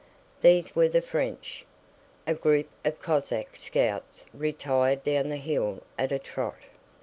These were the French. A group of Cossack scouts retired down the hill at a trot.